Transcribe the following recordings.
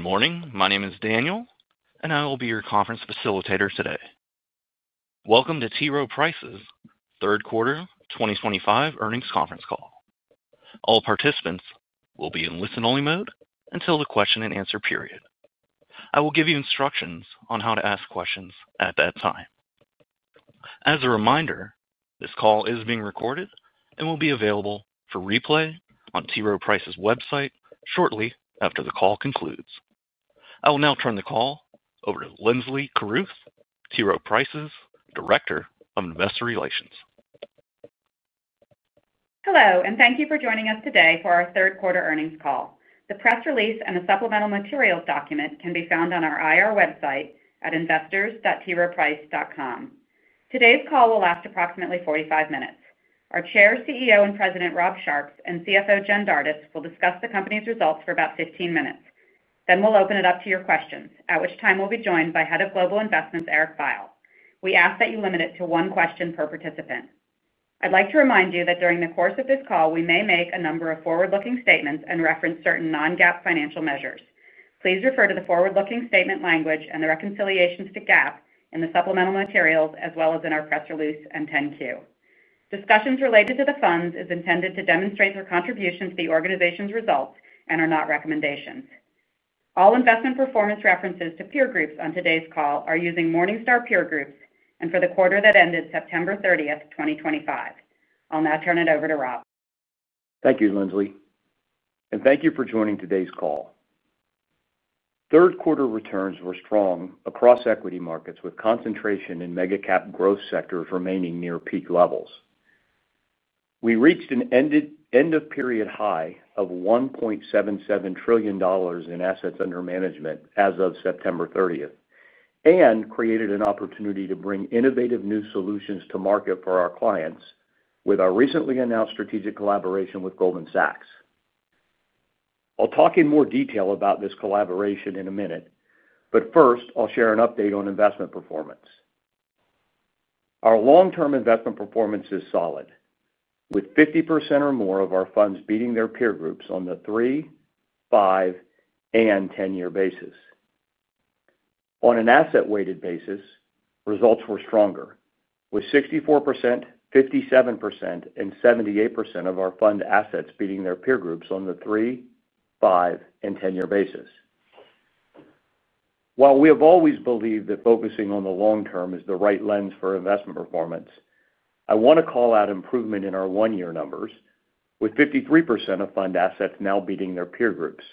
Good morning. My name is Daniel, and I will be your conference facilitator today. Welcome to T. Rowe Price's third quarter 2025 earnings conference call. All participants will be in listen-only mode until the question-and-answer period. I will give you instructions on how to ask questions at that time. As a reminder, this call is being recorded and will be available for replay on T. Rowe Price's website shortly after the call concludes. I will now turn the call over to Linsley Carruth T. Rowe Price's Director of Investor Relations. Hello, and thank you for joining us today for our third quarter earnings call. The press release and the supplemental materials document can be found on our IR website at investors.troweprice.com. Today's call will last approximately 45 minutes. Our Chair, CEO, and President, Rob Sharps, and CFO, Jen Dardis, will discuss the company's results for about 15 minutes. We'll open it up to your questions, at which time we'll be joined by Head of Global Investments, Eric Veiel. We ask that you limit it to one question per participant. I'd like to remind you that during the course of this call, we may make a number of forward-looking statements and reference certain non-GAAP financial measures. Please refer to the forward-looking statement language and the reconciliations to GAAP in the supplemental materials, as well as in our press release and 10-Q. Discussions related to the funds are intended to demonstrate your contribution to the organization's results and are not recommendations. All investment performance references to peer groups on today's call are using Morningstar peer groups and for the quarter that ended September 30th, 2025. I'll now turn it over to Rob. Thank you, Linsley, and thank you for joining today's call. Third quarter returns were strong across equity markets, with concentration in mega-cap growth sectors remaining near peak levels. We reached an end-of-period high of $1.77 trillion in assets under management as of September 30th, and created an opportunity to bring innovative new solutions to market for our clients with our recently announced strategic collaboration with Goldman Sachs. I'll talk in more detail about this collaboration in a minute, but first, I'll share an update on investment performance. Our long-term investment performance is solid, with 50% or more of our funds beating their peer groups on the 3 year, 5 year, and 10-year basis. On an asset-weighted basis, results were stronger, with 64%, 57%, and 78% of our fund assets beating their peer groups on the 3 year, 5 year, and 10-year basis. While we have always believed that focusing on the long term is the right lens for investment performance, I want to call out improvement in our 1-year numbers, with 53% of fund assets now beating their peer groups.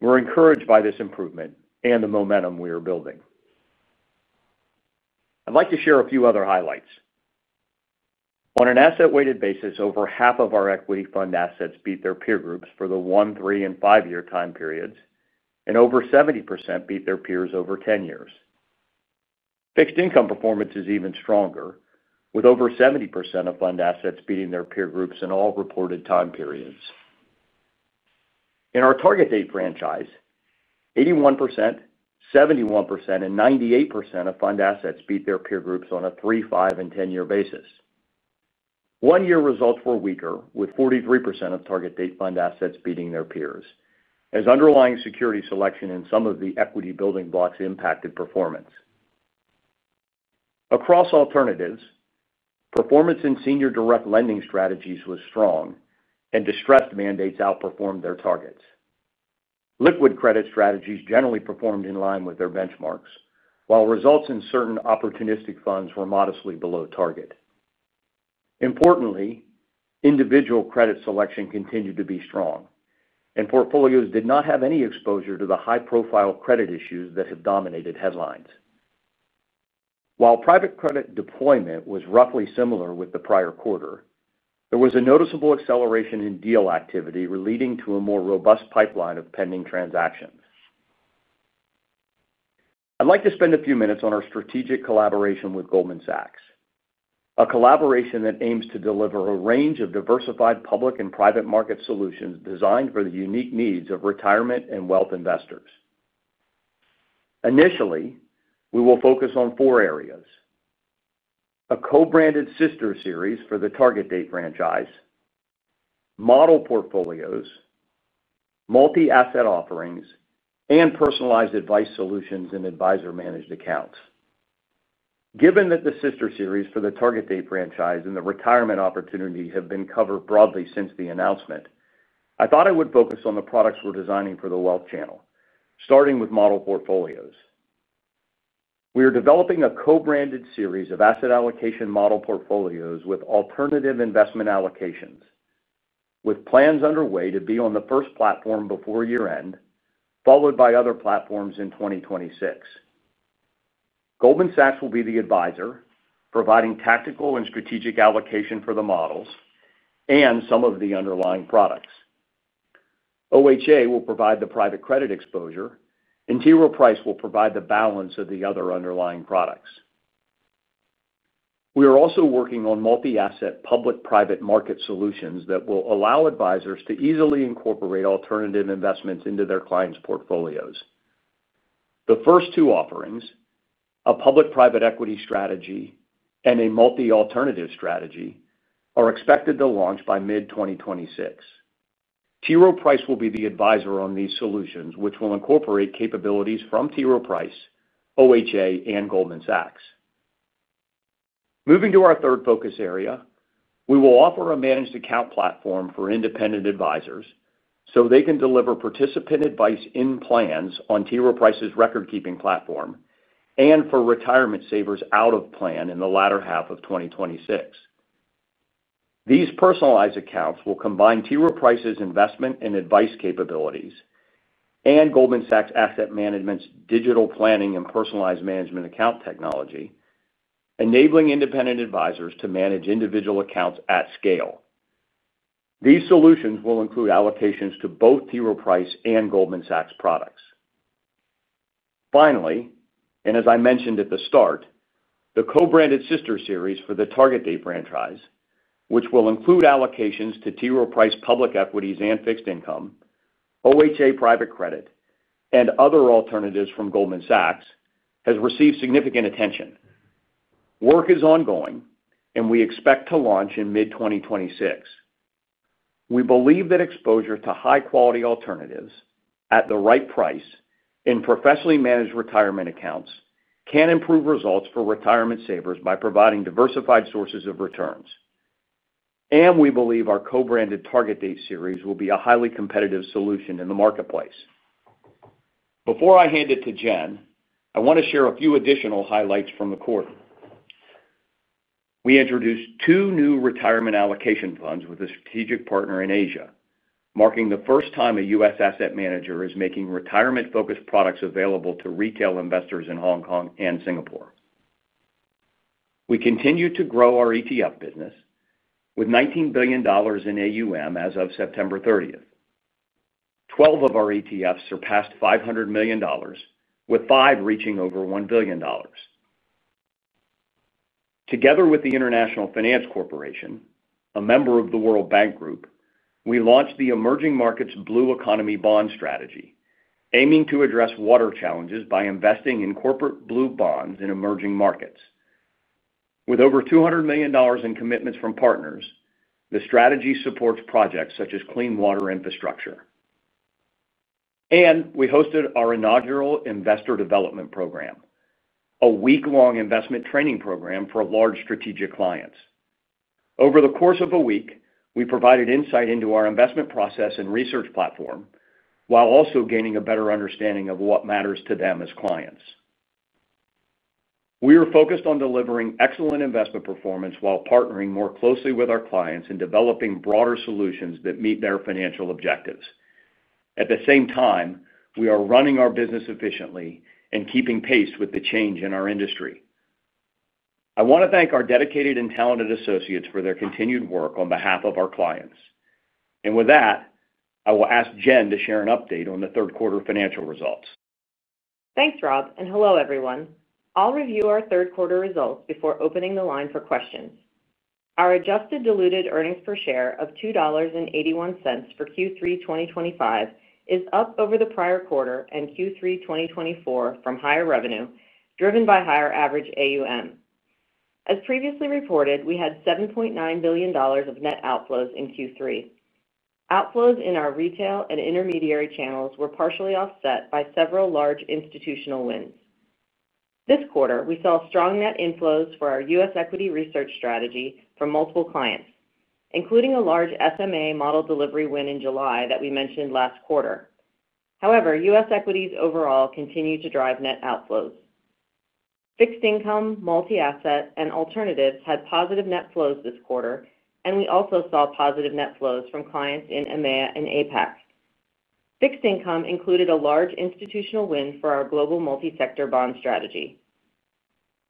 We're encouraged by this improvement and the momentum we are building. I'd like to share a few other highlights. On an asset-weighted basis, over half of our equity fund assets beat their peer groups for the 1-year, 3-year and 5-year time periods, and over 70% beat their peers over 10 years. Fixed income performance is even stronger, with over 70% of fund assets beating their peer groups in all reported time periods. In our target date franchise, 81%, 71%, and 98% of fund assets beat their peer groups on a 3 year, 5 year, and 10-year basis. One-year results were weaker, with 43% of target date fund assets beating their peers, as underlying security selection and some of the equity-building blocks impacted performance. Across alternatives, performance in senior direct lending strategies was strong, and distressed mandates outperformed their targets. Liquid credit strategies generally performed in line with their benchmarks, while results in certain opportunistic funds were modestly below target. Importantly, individual credit selection continued to be strong, and portfolios did not have any exposure to the high-profile credit issues that have dominated headlines. While private credit deployment was roughly similar with the prior quarter, there was a noticeable acceleration in deal activity, leading to a more robust pipeline of pending transactions. I'd like to spend a few minutes on our strategic collaboration with Goldman Sachs, a collaboration that aims to deliver a range of diversified public and private market solutions designed for the unique needs of retirement and wealth investors. Initially, we will focus on four areas: a co-branded sister series for the target date franchise, model portfolios, multi-asset offerings, and personalized advice solutions and advisor-managed accounts. Given that the sister series for the target date franchise and the retirement opportunity have been covered broadly since the announcement, I thought I would focus on the products we're designing for the wealth channel, starting with model portfolios. We are developing a co-branded series of asset allocation model portfolios with alternative investment allocations, with plans underway to be on the first platform before year-end, followed by other platforms in 2026. Goldman Sachs will be the advisor, providing tactical and strategic allocation for the models and some of the underlying products. OHA will provide the private credit exposure, and T. Rowe Price will provide the balance of the other underlying products. We are also working on multi-asset public-private market solutions that will allow advisors to easily incorporate alternative investments into their clients' portfolios. The first two offerings, a public-private equity strategy and a multi-alternative strategy, are expected to launch by mid-2026. T. Rowe Price will be the advisor on these solutions, which will incorporate capabilities from T. Rowe Price, OHA, and Goldman Sachs. Moving to our third focus area, we will offer a managed account platform for independent advisors so they can deliver participant advice in plans on T. Rowe Price's record-keeping platform and for retirement savers out of plan in the latter half of 2026. These personalized accounts will combine T. Rowe Price's investment and advice capabilities and Goldman Sachs Asset Management's digital planning and personalized management account technology, enabling independent advisors to manage individual accounts at scale. These solutions will include allocations to both T. Rowe Price and Goldman Sachs products. Finally, as I mentioned at the start, the co-branded sister series for the target date franchise, which will include allocations to T. Rowe Price public equities and fixed income, OHA private credit, and other alternatives from Goldman Sachs, has received significant attention. Work is ongoing, and we expect to launch in mid-2026. We believe that exposure to high-quality alternatives at the right price in professionally managed retirement accounts can improve results for retirement savers by providing diversified sources of returns. We believe our co-branded target date series will be a highly competitive solution in the marketplace. Before I hand it to Jen, I want to share a few additional highlights from the quarter. We introduced two new retirement allocation funds with a strategic partner in Asia, marking the first time a U.S. asset manager is making retirement-focused products available to retail investors in Hong Kong and Singapore. We continue to grow our ETF business, with $19 billion in AUM as of September 30th. 12 of our ETFs surpassed $500 million, with five reaching over $1 billion. Together with the International Finance Corporation, a member of the World Bank Group, we launched the Emerging Markets Blue Economy Bond Strategy, aiming to address water challenges by investing in corporate blue bonds in emerging markets. With over $200 million in commitments from partners, the strategy supports projects such as clean water infrastructure. We hosted our inaugural investor development program, a week-long investment training program for large strategic clients. Over the course of a week, we provided insight into our investment process and research platform, while also gaining a better understanding of what matters to them as clients. We are focused on delivering excellent investment performance while partnering more closely with our clients in developing broader solutions that meet their financial objectives. At the same time, we are running our business efficiently and keeping pace with the change in our industry. I want to thank our dedicated and talented associates for their continued work on behalf of our clients. With that, I will ask Jen to share an update on the third quarter financial results. Thanks, Rob. And hello, everyone. I'll review our third quarter results before opening the line for questions. Our adjusted diluted EPS of $2.81 for Q3 2025 is up over the prior quarter and Q3 2024 from higher revenue, driven by higher average AUM. As previously reported, we had $7.9 billion of net outflows in Q3. Outflows in our retail and intermediary channels were partially offset by several large institutional wins. This quarter, we saw strong net inflows for our U.S. equity research strategy from multiple clients, including a large SMA model delivery win in July that we mentioned last quarter. However, U.S. equities overall continue to drive net outflows. Fixed income, multi-asset, and alternatives had positive net flows this quarter, and we also saw positive net flows from clients in EMEA and APAC. Fixed income included a large institutional win for our global multi-sector bond strategy.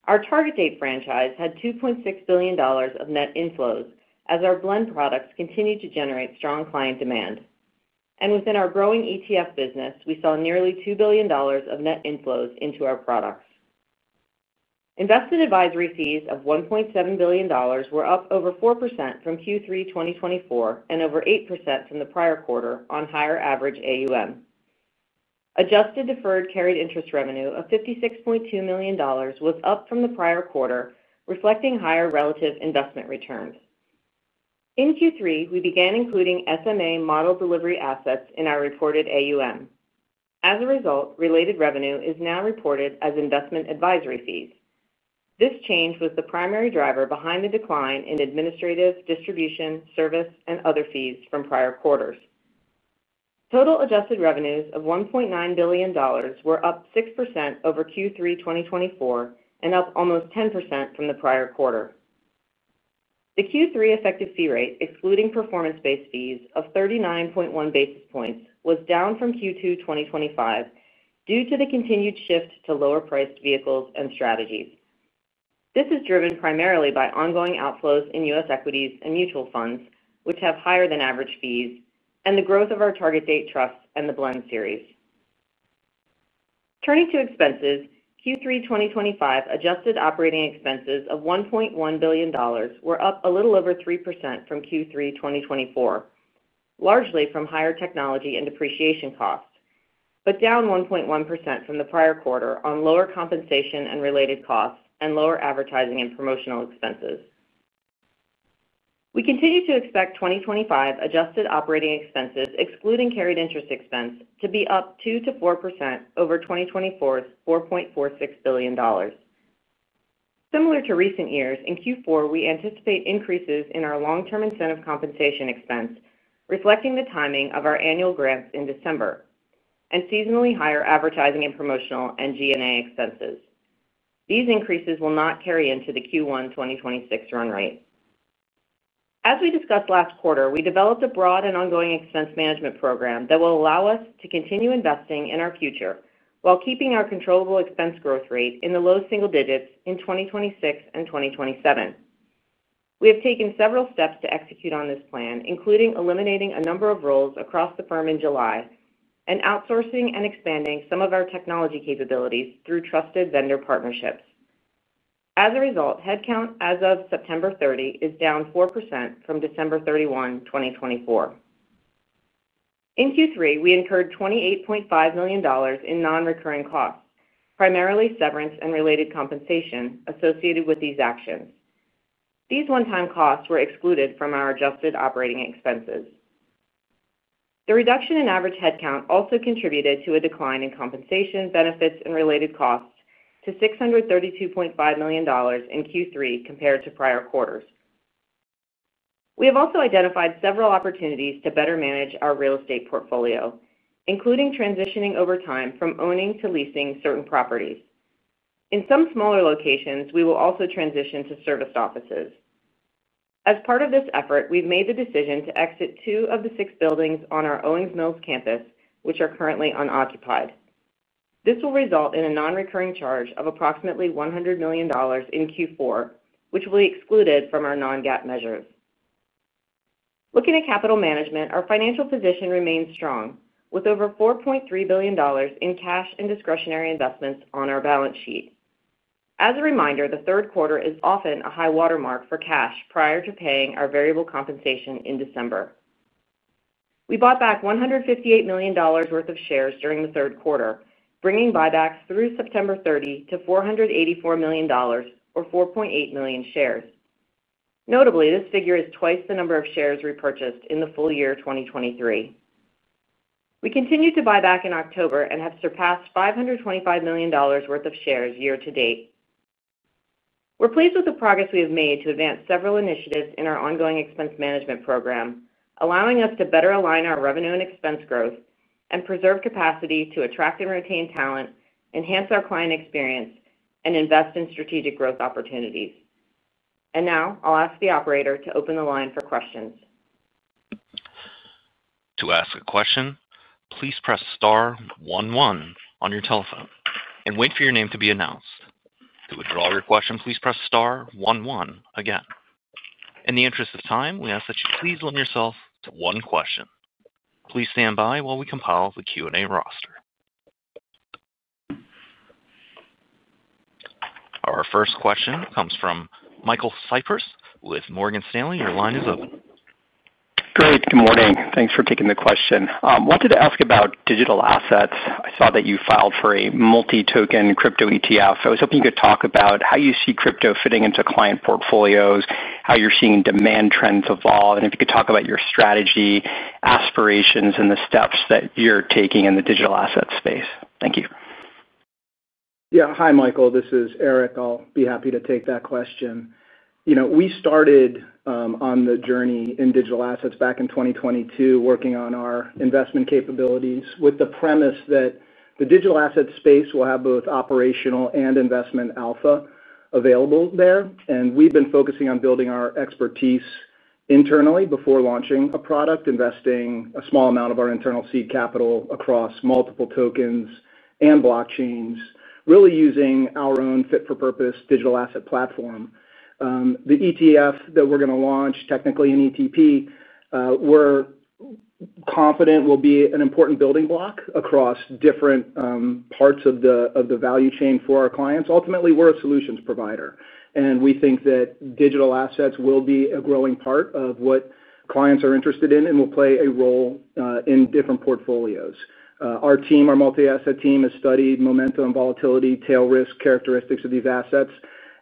Our target date franchise had $2.6 billion of net inflows as our blend products continued to generate strong client demand. Within our growing ETF business, we saw nearly $2 billion of net inflows into our products. Investment advisory fees of $1.7 billion were up over 4% from Q3 2024 and over 8% from the prior quarter on higher average AUM. Adjusted deferred carried interest revenue of $56.2 million was up from the prior quarter, reflecting higher relative investment returns. In Q3, we began including SMA model delivery assets in our reported AUM. As a result, related revenue is now reported as investment advisory fees. This change was the primary driver behind the decline in administrative, distribution, service, and other fees from prior quarters. Total adjusted revenues of $1.9 billion were up 6% over Q3 2024 and up almost 10% from the prior quarter. The Q3 effective fee rate, excluding performance-based fees, of 39.1 bps was down from Q2 2025 due to the continued shift to lower-priced vehicles and strategies. This is driven primarily by ongoing outflows in U.S. equities and mutual funds, which have higher-than-average fees, and the growth of our target date trusts and the blend series. Turning to expenses, Q3 2025 adjusted operating expenses of $1.1 billion were up a little over 3% from Q3 2024, largely from higher technology and depreciation costs, but down 1.1% from the prior quarter on lower compensation and related costs and lower advertising and promotional expenses. We continue to expect 2025 adjusted operating expenses, excluding carried interest expense, to be up 2%-4% over 2024's $4.46 billion. Similar to recent years, in Q4, we anticipate increases in our long-term incentive compensation expense, reflecting the timing of our annual grants in December, and seasonally higher advertising and promotional and G&A expenses. These increases will not carry into the Q1 2026 run rate. As we discussed last quarter, we developed a broad and ongoing expense management program that will allow us to continue investing in our future while keeping our controllable expense growth rate in the low single digits in 2026 and 2027. We have taken several steps to execute on this plan, including eliminating a number of roles across the firm in July and outsourcing and expanding some of our technology capabilities through trusted vendor partnerships. As a result, headcount as of September 30 is down 4% from December 31, 2024. In Q3, we incurred $28.5 million in non-recurring costs, primarily severance and related compensation associated with these actions. These one-time costs were excluded from our adjusted operating expenses. The reduction in average headcount also contributed to a decline in compensation, benefits, and related costs to $632.5 million in Q3 compared to prior quarters. We have also identified several opportunities to better manage our real estate portfolio, including transitioning over time from owning to leasing certain properties. In some smaller locations, we will also transition to service offices. As part of this effort, we've made the decision to exit two of the six buildings on our Owings Mills campus, which are currently unoccupied. This will result in a non-recurring charge of approximately $100 million in Q4, which will be excluded from our non-GAAP measures. Looking at capital management, our financial position remains strong, with over $4.3 billion in cash and discretionary investments on our balance sheet. As a reminder, the third quarter is often a high-water mark for cash prior to paying our variable compensation in December. We bought back $158 million worth of shares during the third quarter, bringing buybacks through September 30 to $484 million, or 4.8 million shares. Notably, this figure is twice the number of shares repurchased in the full year 2023. We continue to buy back in October and have surpassed $525 million worth of shares year-to-date. We're pleased with the progress we have made to advance several initiatives in our ongoing expense management program, allowing us to better align our revenue and expense growth and preserve capacity to attract and retain talent, enhance our client experience, and invest in strategic growth opportunities. I'll ask the operator to open the line for questions. To ask a question, please press star one one on your telephone and wait for your name to be announced. To withdraw your question, please press star one one again. In the interest of time, we ask that you please limit yourself to one question. Please stand by while we compile the Q&A roster. Our first question comes from Michael Cyprys with Morgan Stanley. Your line is open. Great. Good morning. Thanks for taking the question. Wanted to ask about digital assets. I saw that you filed for a multi-token crypto ETF. I was hoping you could talk about how you see crypto fitting into client portfolios, how you're seeing demand trends evolve, and if you could talk about your strategy, aspirations, and the steps that you're taking in the digital asset space. Thank you. Yeah. Hi, Michael. This is Eric. I'll be happy to take that question. We started on the journey in digital assets back in 2022, working on our investment capabilities with the premise that the digital asset space will have both operational and investment alpha available there. We've been focusing on building our expertise internally before launching a product, investing a small amount of our internal seed capital across multiple tokens and blockchains, really using our own fit-for-purpose digital asset platform. The ETF that we're going to launch, technically an ETP, we're confident will be an important building block across different parts of the value chain for our clients. Ultimately, we're a solutions provider, and we think that digital assets will be a growing part of what clients are interested in and will play a role in different portfolios. Our team, our multi-asset team, has studied momentum, volatility, tail risk characteristics of these assets,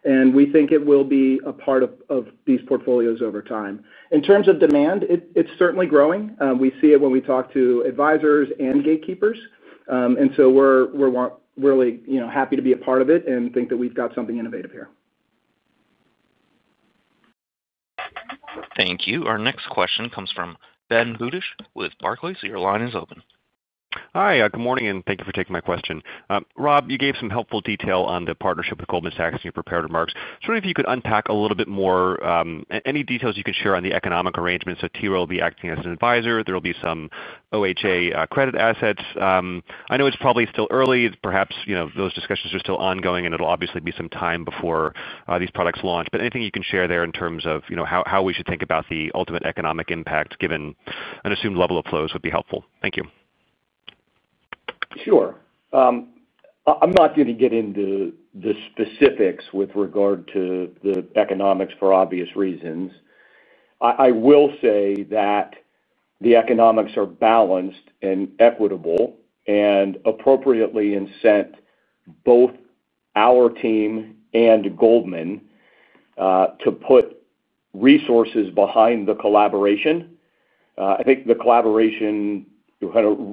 and we think it will be a part of these portfolios over time. In terms of demand, it's certainly growing. We see it when we talk to advisors and gatekeepers. We're really happy to be a part of it and think that we've got something innovative here. Thank you. Our next question comes from Ben Budish with Barclays. Your line is open. Hi. Good morning, and thank you for taking my question. Rob, you gave some helpful detail on the partnership with Goldman Sachs in your prepared remarks. I was wondering if you could unpack a little bit more, any details you could share on the economic arrangement. T. Rowe will be acting as an advisor. There will be some OHA credit assets. I know it's probably still early. Perhaps those discussions are still ongoing, and it will obviously be some time before these products launch. Anything you can share there in terms of how we should think about the ultimate economic impact, given an assumed level of flows, would be helpful. Thank you. Sure. I'm not going to get into the specifics with regard to the economics for obvious reasons. I will say that the economics are balanced and equitable and appropriately incent both our team and Goldman. The collaboration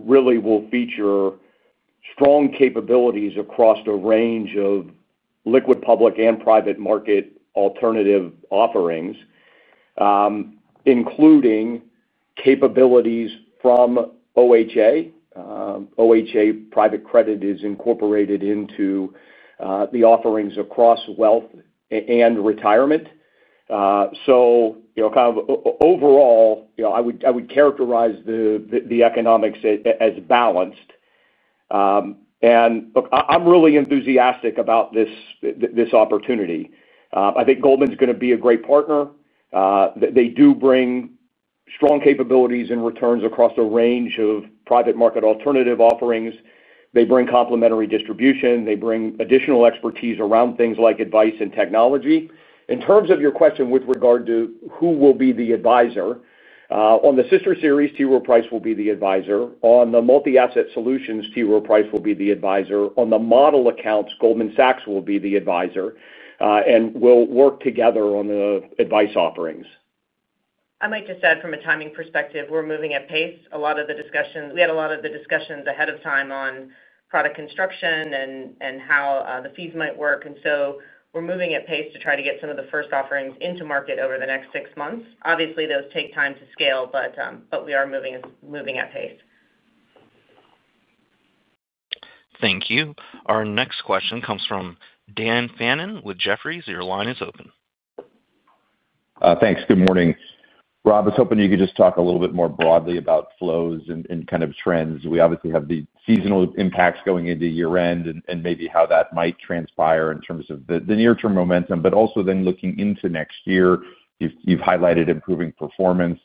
really will feature strong capabilities across a range of liquid public and private market alternative offerings, including capabilities from OHA. OHA private credit is incorporated into the offerings across wealth and retirement. Overall, I would characterize the economics as balanced. I'm really enthusiastic about this opportunity. I think Goldman's going to be a great partner. They do bring strong capabilities and returns across a range of private market alternative offerings. They bring complementary distribution. They bring additional expertise around things like advice and technology. In terms of your question with regard to who will be the advisor, on the sister series, T. Rowe Price will be the advisor. On the multi-asset solutions, T. Rowe Price will be the advisor. On the model accounts, Goldman Sachs will be the advisor and will work together on the advice offerings. I might just add, from a timing perspective, we're moving at pace. A lot of the discussion we had, a lot of the discussions ahead of time on product construction and how the fees might work. We're moving at pace to try to get some of the first offerings into market over the next six months. Obviously, those take time to scale, but we are moving at pace. Thank you. Our next question comes from Dan Fannon with Jefferies. Your line is open. Thanks. Good morning. Rob, I was hoping you could just talk a little bit more broadly about flows and kind of trends. We obviously have the seasonal impacts going into year-end and maybe how that might transpire in terms of the near-term momentum, but also then looking into next year, you've highlighted improving performance.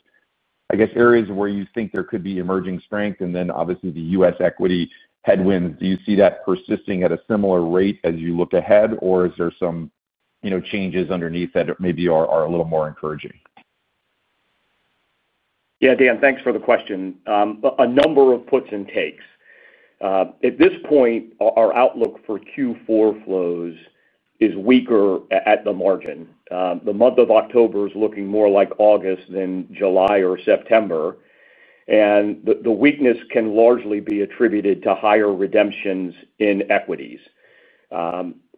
I guess areas where you think there could be emerging strength and then obviously the U.S. equity headwinds, do you see that persisting at a similar rate as you look ahead, or is there some changes underneath that maybe are a little more encouraging? Yeah, Dan, thanks for the question. A number of puts and takes. At this point, our outlook for Q4 flows is weaker at the margin. The month of October is looking more like August than July or September, and the weakness can largely be attributed to higher redemptions in equities.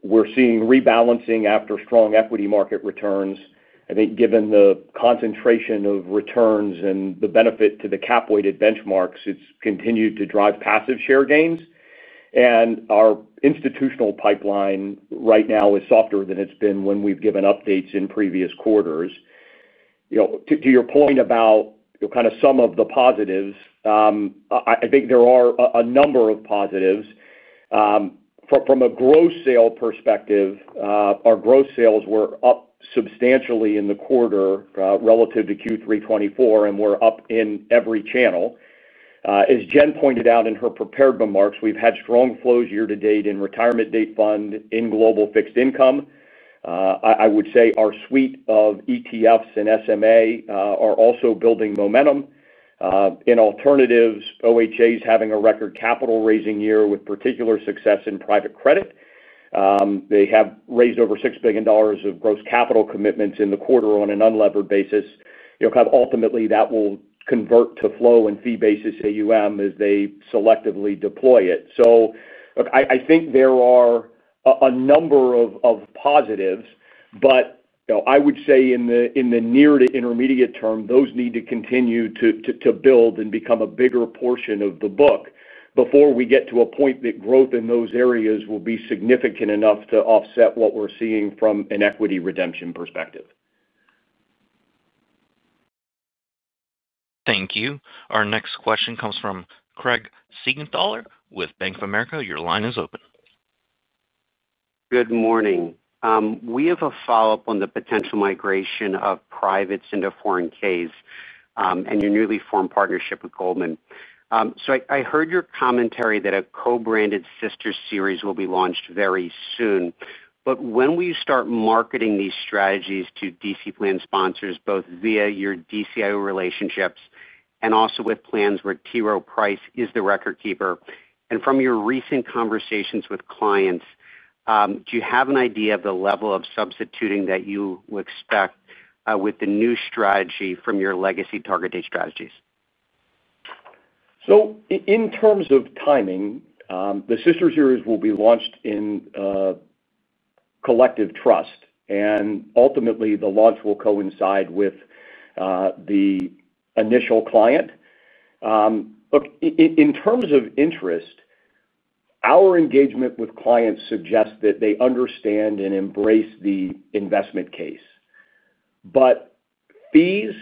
We're seeing rebalancing after strong equity market returns. I think given the concentration of returns and the benefit to the cap-weighted benchmarks, it's continued to drive passive share gains. Our institutional pipeline right now is softer than it's been when we've given updates in previous quarters. To your point about kind of some of the positives, I think there are a number of positives. From a gross sale perspective, our gross sales were up substantially in the quarter relative to Q3 2024, and we're up in every channel. As Jen pointed out in her prepared remarks, we've had strong flows year-to-date in target date series and global fixed income. I would say our suite of ETFs and SMA are also building momentum. In alternatives, OHA is having a record capital raising year with particular success in private credit. They have raised over $6 billion of gross capital commitments in the quarter on an unlevered basis. Ultimately, that will convert to flow and fee basis AUM as they selectively deploy it. I think there are a number of positives, but I would say in the near to intermediate term, those need to continue to build and become a bigger portion of the book before we get to a point that growth in those areas will be significant enough to offset what we're seeing from an equity redemption perspective. Thank you. Our next question comes from Craig Siegenthaler with Bank of America. Your line is open. Good morning. We have a follow-up on the potential migration of privates into foreign Ks and your newly formed partnership with Goldman. I heard your commentary that a co-branded sister series will be launched very soon. When will you start marketing these strategies to DC plan sponsors, both via your DCIO relationships and also with plans where T. Rowe Price is the record keeper? From your recent conversations with clients, do you have an idea of the level of substituting that you would expect with the new strategy from your legacy target date strategies? In terms of timing, the sister series will be launched in collective trust, and ultimately, the launch will coincide with the initial client look. In terms of interest, our engagement with clients suggests that they understand and embrace the investment case, but fees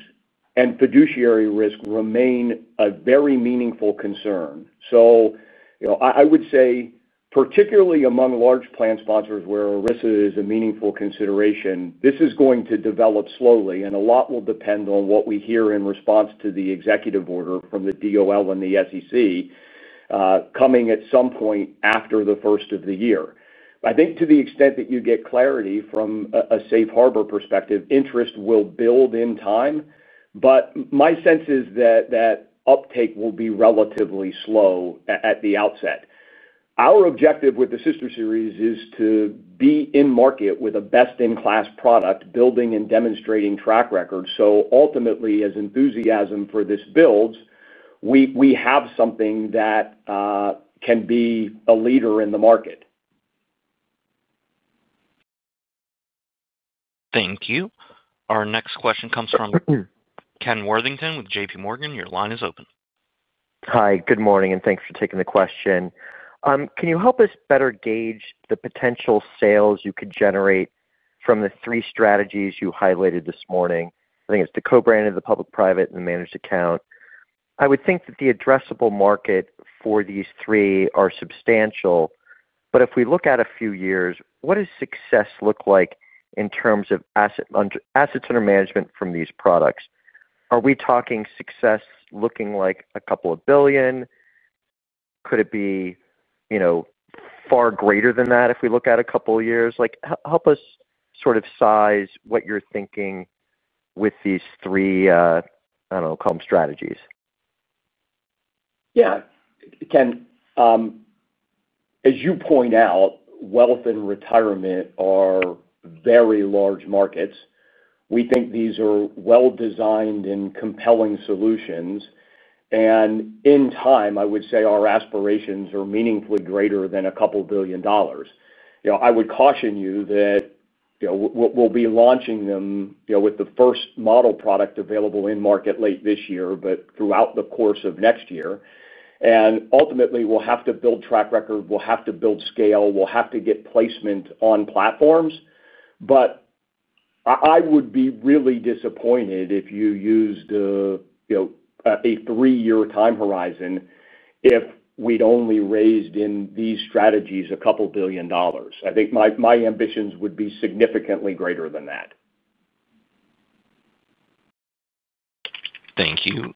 and fiduciary risk remain a very meaningful concern. I would say, particularly among large plan sponsors where this is a meaningful consideration, this is going to develop slowly, and a lot will depend on what we hear in response to the executive order from the DOL and the SEC coming at some point after the first of the year. I think to the extent that you get clarity from a safe harbor perspective, interest will build in time. My sense is that uptake will be relatively slow at the outset. Our objective with the sister series is to be in market with a best-in-class product, building and demonstrating track record. Ultimately, as enthusiasm for this builds, we have something that can be a leader in the market. Thank you. Our next question comes from Ken Worthington with JPMorgan. Your line is open. Hi. Good morning, and thanks for taking the question. Can you help us better gauge the potential sales you could generate from the three strategies you highlighted this morning? I think it's the co-branded, the public private, and the managed account. I would think that the addressable market for these three are substantial. If we look at a few years, what does success look like in terms of assets under management from these products? Are we talking success looking like a couple of billion? Could it be far greater than that if we look at a couple of years? Help us sort of size what you're thinking with these three, I don't know, call them strategies. Yeah. Ken, as you point out, wealth and retirement are very large markets. We think these are well-designed and compelling solutions. In time, I would say our aspirations are meaningfully greater than a couple of billion dollars. I would caution you that we'll be launching them with the first model product available in market late this year, but throughout the course of next year. Ultimately, we'll have to build track record, build scale, and get placement on platforms. I would be really disappointed if you used a three-year time horizon if we'd only raised in these strategies a couple of billion dollars. I think my ambitions would be significantly greater than that. Thank you.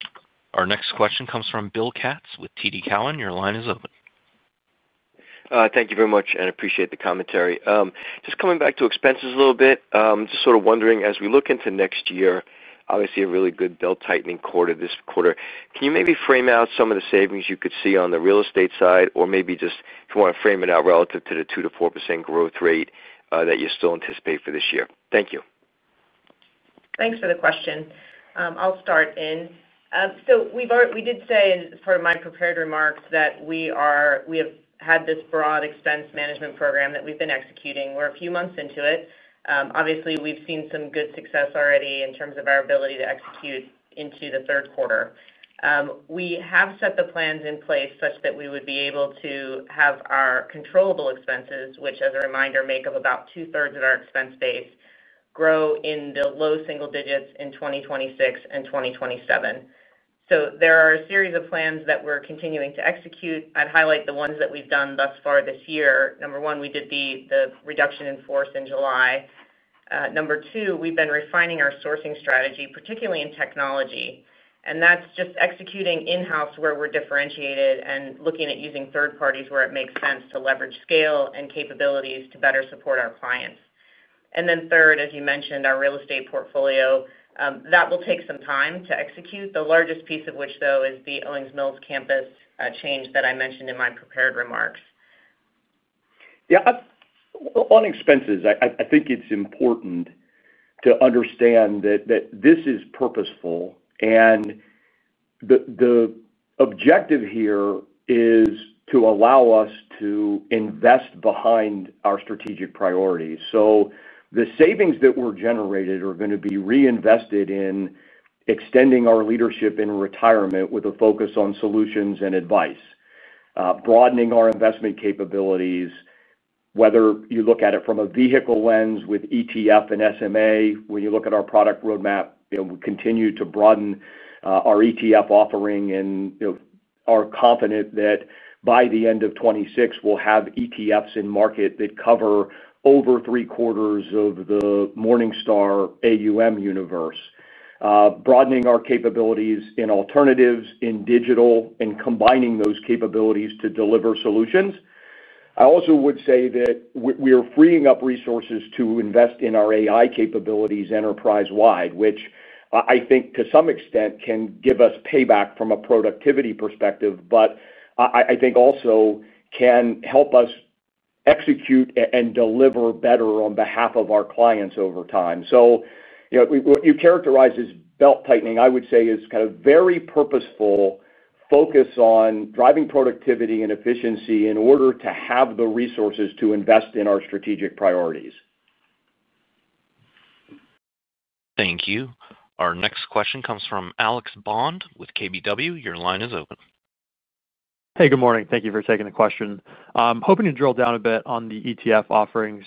Our next question comes from Bill Katz with TD Cowen. Your line is open. Thank you very much, and I appreciate the commentary. Just coming back to expenses a little bit, just sort of wondering, as we look into next year, obviously a really good belt-tightening quarter this quarter, can you maybe frame out some of the savings you could see on the real estate side, or maybe just if you want to frame it out relative to the 2%-4% growth rate that you still anticipate for this year? Thank you. Thanks for the question. I'll start in. We did say, as part of my prepared remarks, that we have had this broad expense management program that we've been executing. We're a few months into it. Obviously, we've seen some good success already in terms of our ability to execute into the third quarter. We have set the plans in place such that we would be able to have our controllable expenses, which, as a reminder, make up about two-thirds of our expense base, grow in the low single digits in 2026 and 2027. There are a series of plans that we're continuing to execute. I'd highlight the ones that we've done thus far this year. Number one, we did the reduction in force in July. Number two, we've been refining our sourcing strategy, particularly in technology. That's just executing in-house where we're differentiated and looking at using third parties where it makes sense to leverage scale and capabilities to better support our clients. Third, as you mentioned, our real estate portfolio. That will take some time to execute. The largest piece of which, though, is the Owings Mills campus change that I mentioned in my prepared remarks. Yeah. On expenses, I think it's important to understand that this is purposeful. The objective here is to allow us to invest behind our strategic priorities. The savings that were generated are going to be reinvested in extending our leadership in retirement with a focus on solutions and advice, broadening our investment capabilities, whether you look at it from a vehicle lens with ETF and SMA. When you look at our product roadmap, we continue to broaden our ETF offering and are confident that by the end of 2026, we'll have ETFs in market that cover over three-quarters of the Morningstar AUM universe, broadening our capabilities in alternatives, in digital, and combining those capabilities to deliver solutions. I also would say that we are freeing up resources to invest in our AI capabilities enterprise-wide, which I think, to some extent, can give us payback from a productivity perspective, but I think also can help us execute and deliver better on behalf of our clients over time. What you characterize as belt-tightening, I would say, is kind of very purposeful focus on driving productivity and efficiency in order to have the resources to invest in our strategic priorities. Thank you. Our next question comes from Alex Bond with KBW. Your line is open. Hey, good morning. Thank you for taking the question. Hoping to drill down a bit on the ETF offerings.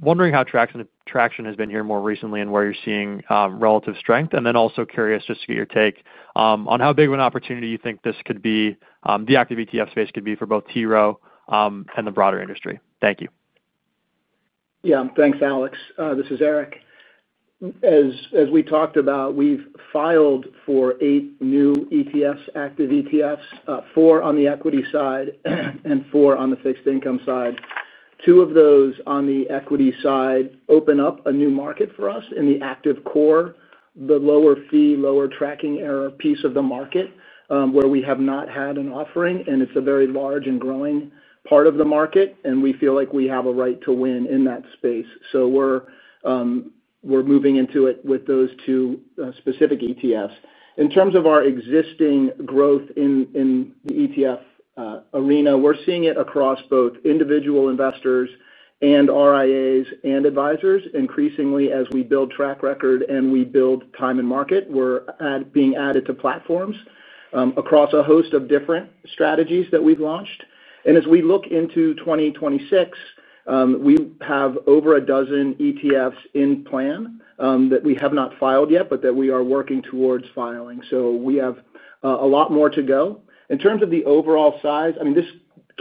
Wondering how traction has been here more recently and where you're seeing relative strength. Also curious just to get your take on how big of an opportunity you think this could be, the active ETF space could be for both T. Rowe and the broader industry. Thank you. Yeah. Thanks, Alex. This is Eric. As we talked about, we've filed for eight new ETFs, active ETFs, four on the equity side and four on the fixed income side. Two of those on the equity side open up a new market for us in the active core, the lower fee, lower tracking error piece of the market where we have not had an offering, and it's a very large and growing part of the market, and we feel like we have a right to win in that space. We're moving into it with those two specific ETFs. In terms of our existing growth in the ETF arena, we're seeing it across both individual investors and RIAs and advisors increasingly as we build track record and we build time and market. We're being added to platforms across a host of different strategies that we've launched. As we look into 2026, we have over a dozen ETFs in plan that we have not filed yet, but that we are working towards filing. We have a lot more to go. In terms of the overall size, I mean, this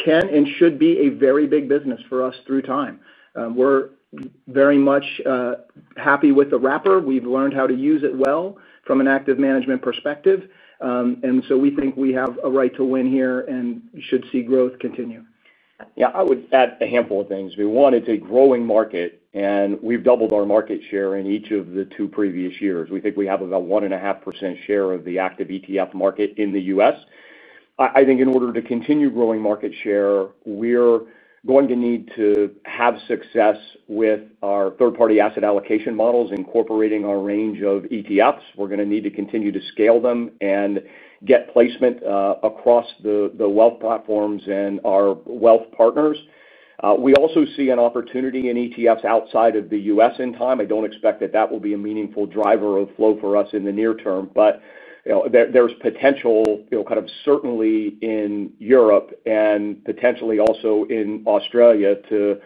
can and should be a very big business for us through time. We're very much happy with the wrapper. We've learned how to use it well from an active management perspective, and we think we have a right to win here and should see growth continue. Yeah. I would add a handful of things. We wanted a growing market, and we've doubled our market share in each of the two previous years. We think we have about 1.5% share of the active ETF market in the U.S. I think in order to continue growing market share, we're going to need to have success with our third-party asset allocation models, incorporating our range of ETFs. We're going to need to continue to scale them and get placement across the wealth platforms and our wealth partners. We also see an opportunity in ETFs outside of the U.S. in time. I don't expect that that will be a meaningful driver of flow for us in the near term, but there's potential certainly in Europe and potentially also in Australia to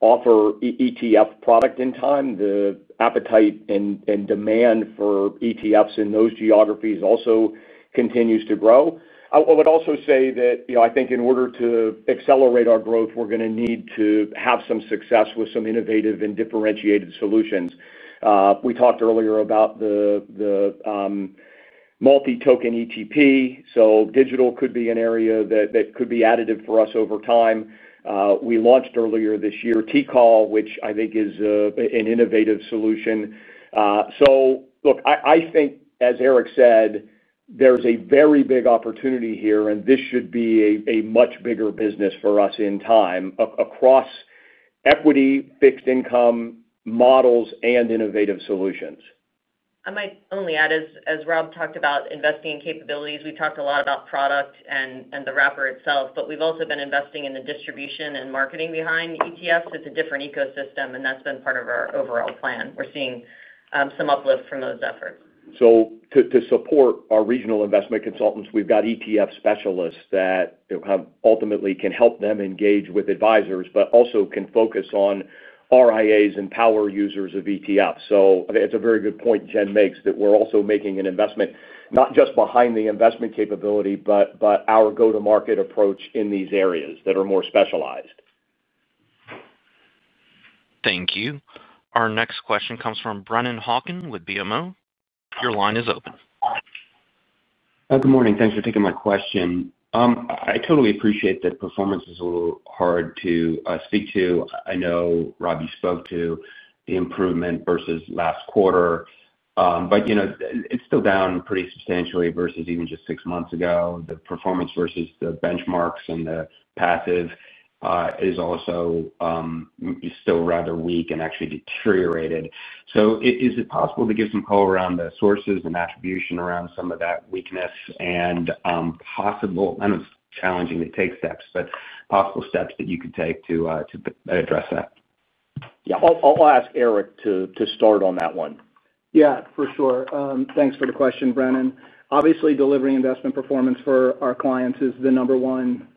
offer ETF product in time. The appetite and demand for ETFs in those geographies also continues to grow. I would also say that I think in order to accelerate our growth, we're going to need to have some success with some innovative and differentiated solutions. We talked earlier about the multi-token ETP. Digital could be an area that could be additive for us over time. We launched earlier this year TCAL, which I think is an innovative solution. I think, as Eric said, there's a very big opportunity here, and this should be a much bigger business for us in time across equity, fixed income models, and innovative solutions. I might only add, as Rob talked about investing in capabilities, we talked a lot about product and the wrapper itself, but we've also been investing in the distribution and marketing behind ETFs. It's a different ecosystem, and that's been part of our overall plan. We're seeing some uplift from those efforts. To support our regional investment consultants, we've got ETF specialists that ultimately can help them engage with advisors, but also can focus on RIAs and power users of ETFs. I think it's a very good point Jen makes that we're also making an investment not just behind the investment capability, but our go-to-market approach in these areas that are more specialized. Thank you. Our next question comes from Brennan Hawkin with BMO. Your line is open. Good morning. Thanks for taking my question. I totally appreciate that performance is a little hard to speak to. I know, Rob, you spoke to the improvement versus last quarter, but it's still down pretty substantially versus even just six months ago. The performance versus the benchmarks and the passive is also still rather weak and actually deteriorated. Is it possible to give some color around the sources and attribution around some of that weakness and possible—I know it's challenging to take steps—possible steps that you could take to address that? I'll ask Eric to start on that one. Yeah. For sure. Thanks for the question, Brennan. Obviously, delivering investment performance for our clients is the number one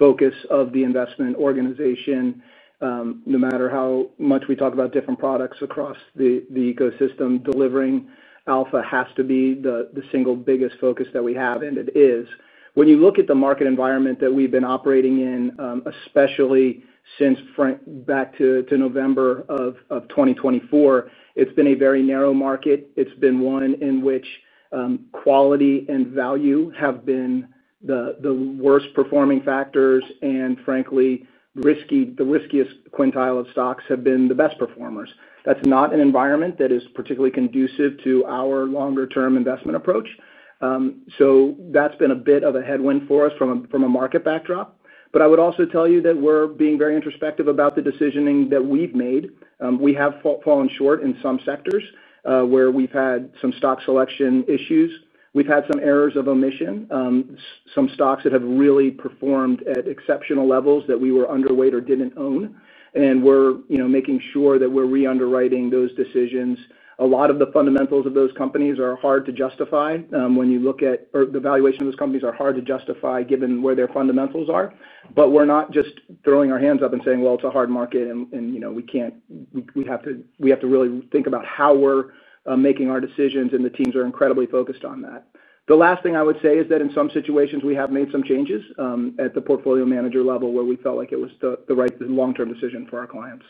focus of the investment organization. No matter how much we talk about different products across the ecosystem, delivering alpha has to be the single biggest focus that we have, and it is. When you look at the market environment that we've been operating in, especially since back to November of 2024, it's been a very narrow market. It's been one in which quality and value have been the worst performing factors, and frankly, the riskiest quintile of stocks have been the best performers. That's not an environment that is particularly conducive to our longer-term investment approach. That's been a bit of a headwind for us from a market backdrop. I would also tell you that we're being very introspective about the decisioning that we've made. We have fallen short in some sectors where we've had some stock selection issues. We've had some errors of omission, some stocks that have really performed at exceptional levels that we were underweight or didn't own. We're making sure that we're re-underwriting those decisions. A lot of the fundamentals of those companies are hard to justify when you look at the valuation of those companies given where their fundamentals are. We're not just throwing our hands up and saying, "It's a hard market, and we have to really think about how we're making our decisions," and the teams are incredibly focused on that. The last thing I would say is that in some situations, we have made some changes at the portfolio manager level where we felt like it was the right long-term decision for our clients.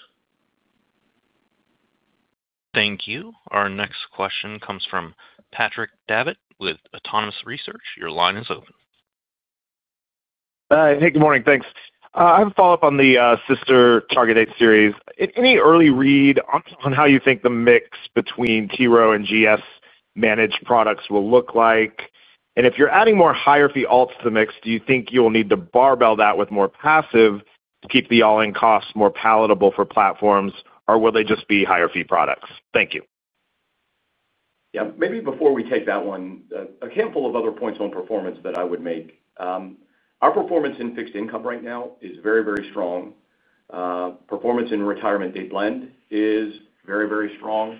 Thank you. Our next question comes from Patrick Davitt with Autonomous Research. Your line is open. Hey, good morning. Thanks. I have a follow-up on the sister target date series. Any early read on how you think the mix between T. Rowe and GS managed products will look like? If you're adding more higher fee alternatives to the mix, do you think you'll need to barbell that with more passive to keep the all-in costs more palatable for platforms, or will they just be higher fee products? Thank you. Yeah. Maybe before we take that one, a handful of other points on performance that I would make. Our performance in fixed income right now is very, very strong. Performance in retirement day blend is very, very strong.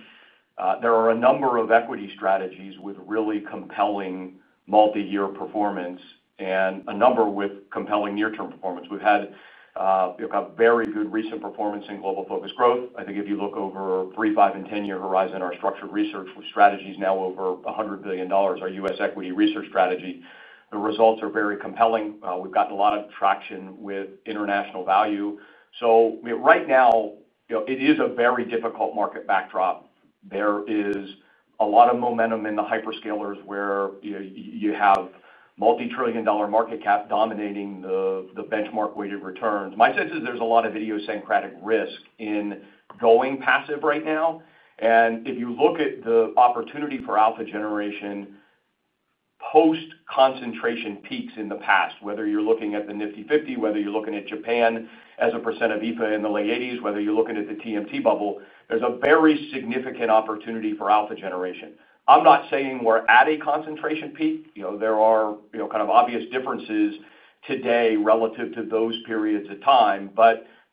There are a number of equity strategies with really compelling multi-year performance and a number with compelling near-term performance. We've had a very good recent performance in global focus growth. I think if you look over three, five, and ten-year horizon, our structured research strategy is now over $100 billion, our U.S. equity research strategy. The results are very compelling. We've gotten a lot of traction with international value. Right now, it is a very difficult market backdrop. There is a lot of momentum in the hyperscalers where you have multi-trillion dollar market cap dominating the benchmark-weighted returns. My sense is there's a lot of idiosyncratic risk in going passive right now. If you look at the opportunity for alpha generation, post-concentration peaks in the past, whether you're looking at the Nifty 50, whether you're looking at Japan as a percent of [EP] in the late 1980s, whether you're looking at the TMT bubble, there's a very significant opportunity for alpha generation. I'm not saying we're at a concentration peak. There are kind of obvious differences today relative to those periods of time.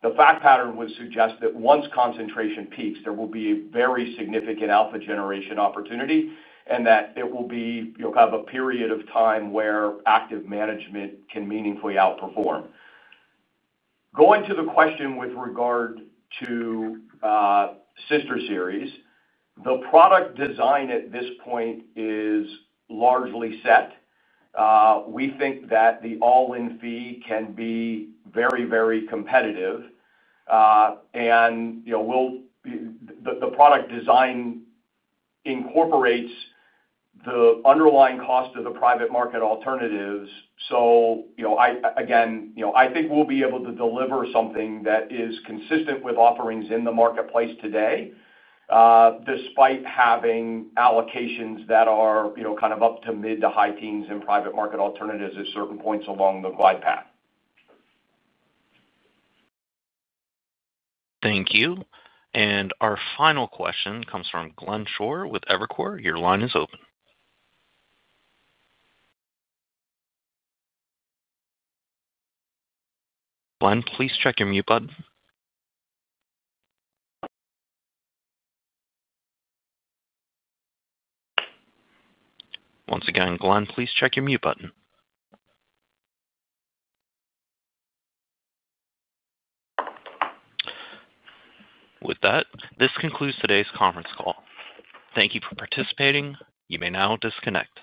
The fact pattern would suggest that once concentration peaks, there will be a very significant alpha generation opportunity and that it will be a period of time where active management can meaningfully outperform. Going to the question with regard to sister series, the product design at this point is largely set. We think that the all-in fee can be very, very competitive. The product design incorporates the underlying cost of the private market alternatives. I think we'll be able to deliver something that is consistent with offerings in the marketplace today, despite having allocations that are up to mid to high teens in private market alternatives at certain points along the glide path. Thank you. Our final question comes from Glenn Schorr with Evercore. Your line is open. Glenn, please check your mute button. Once again, Glenn, please check your mute button. With that, this concludes today's conference call. Thank you for participating. You may now disconnect.